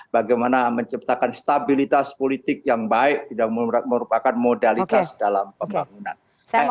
bagaimana menciptakan stabilitas politik yang baik dan merupakan modalitas dalam pembangunan